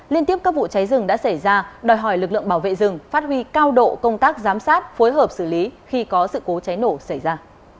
liên tiếp các vụ cháy rừng đã xảy ra đòi hỏi lực lượng bảo vệ rừng phát huy cao độ công tác giám sát phối hợp xử lý khi có sự cố cháy nổ xảy ra